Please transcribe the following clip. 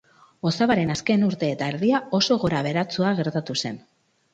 Osabaren azken urte eta erdia oso gorabeheratsua gertatu zen.